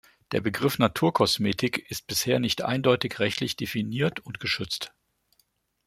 Der Begriff Naturkosmetik ist bisher nicht eindeutig rechtlich definiert und geschützt.